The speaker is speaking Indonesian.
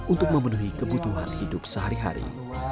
untuk memenuhi kebutuhan hidup sehari hari